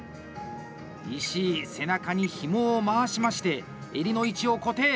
石井、背中にひもを回しまして襟の位置を固定！